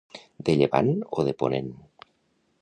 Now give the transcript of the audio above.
De llevant o de ponent.